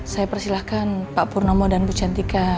saya persilahkan pak purnomo dan bu centika